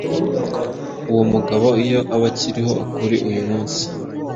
Uwo mugabo iyo aba akiriho kuri uyu munsi